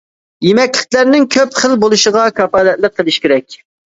يېمەكلىكلەرنىڭ كۆپ خىل بولۇشىغا كاپالەتلىك قىلىش كېرەك.